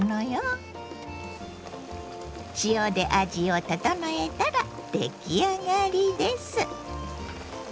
塩で味を調えたら出来上がりです。